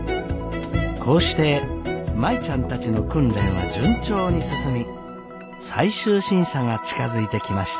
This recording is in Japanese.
こうして舞ちゃんたちの訓練は順調に進み最終審査が近づいてきました。